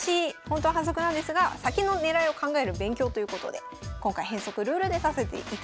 ほんとは反則なんですが先の狙いを考える勉強ということで今回変則ルールでさせていただきます。